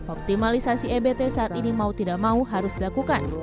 optimalisasi ebt saat ini mau tidak mau harus dilakukan